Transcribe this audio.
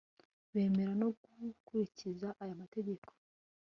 bemera no gukurikiza aya mategeko